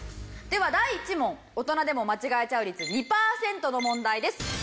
では第１問大人でも間違えちゃう率２パーセントの問題です。